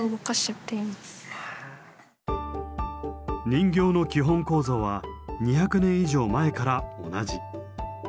人形の基本構造は２００年以上前から同じ。